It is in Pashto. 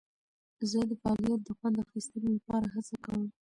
زه د فعالیت د خوند اخیستلو لپاره هڅه کوم.